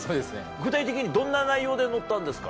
具体的にどんな内容で載ったんですか？